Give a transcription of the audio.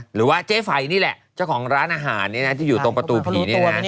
หรือว่าเจ๊ไฟนี่แหละเจ้าของร้านอาหารที่อยู่ตรงประตูผีเนี่ยนะ